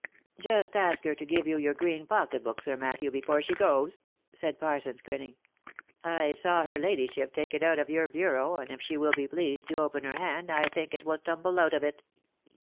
" Just ask her to give you your green pocket book, Sir Matthew, OF MICHAEL ARMSTRONG. 363 before she goes," said Parsons, grinning. " I saw her ladyship take it out of your bureau, and if she will be pleased to open her hand, I think it will tumble out of it."